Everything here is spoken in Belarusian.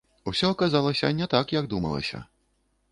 Усё аказалася не так, як думалася.